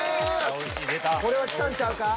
これはきたんちゃうか。